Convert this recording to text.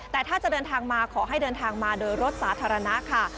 แต่ถ้าจะเดินทางมาขอให้เดินทางมาโดยรถสาธารณะค่ะ